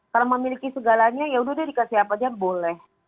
kalau memiliki segalanya ya sudah dia dikasih apa saja boleh